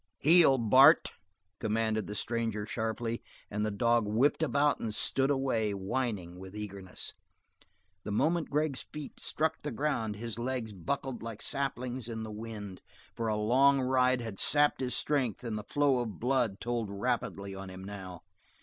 "Heel, Bart!" commanded the stranger sharply, and the dog whipped about and stood away, whining with eagerness. The moment Gregg's feet struck the ground his legs buckled like saplings in a wind for the long ride had sapped his strength, and the flow of blood told rapidly on him now.